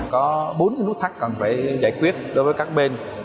có bốn nút thắt cần phải giải quyết đối với các bên